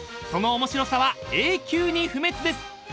［その面白さは永久に不滅です！］